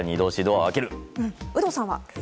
有働さんは？